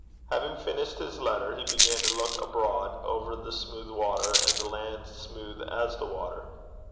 Having finished his letter, he began to look abroad over the smooth water, and the land smooth as the water.